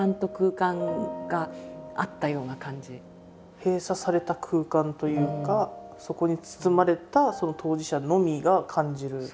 閉鎖された空間というかそこに包まれたその当事者のみが感じる。